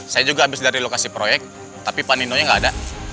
saya juga habis dari lokasi proyek tapi pak nino nya gak ada